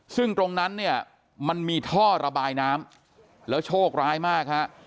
ซึ่งตรงนั้นเนี่ยมันมีท่อระบายน้ำแล้วโชคร้ายมากฮะ